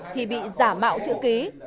thì bị giả mạo chữ ký